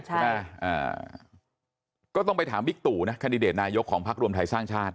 อ่าก็ต้องไปถามวิกตุนะคันดิเดตนายกของภักดิ์รวมไทยสร้างชาติ